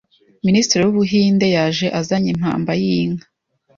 Minisitiri w’Ubuhinde yaje azanye impamba y’inka